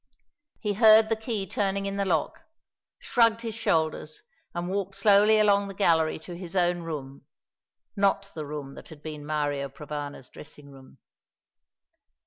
He heard the key turning in the lock, shrugged his shoulders, and walked slowly along the gallery to his own room, not the room that had been Mario Provana's dressing room.